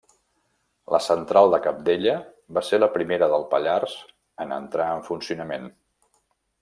La central de Cabdella va ser la primera del Pallars en entrar en funcionament.